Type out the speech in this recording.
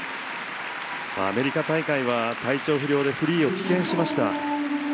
アメリカ大会は体調不良でフリーを棄権しました。